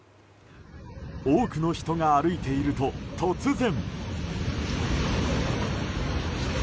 多くの人が歩いていると突然。